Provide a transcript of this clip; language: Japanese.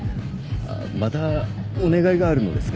またお願いがあるのですが